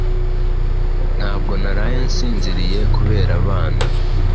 Ntabwo naraye nsinziriye kubera abana